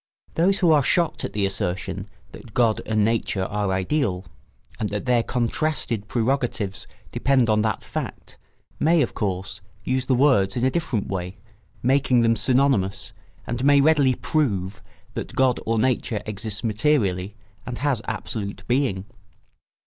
Those who are shocked at the assertion that God and Nature are ideal, and that their contrasted prerogatives depend on that fact, may, of course, use the same words in a different way, making them synonymous, and may readily "prove" that God or Nature exists materially and has absolute being.